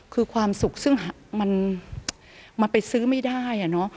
คือความสุขซึ่งมันไปซื้อไม่ได้อะเนาะ